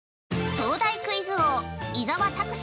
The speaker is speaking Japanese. ◆東大クイズ王・伊沢拓司